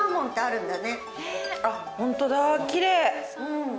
ホントだきれい！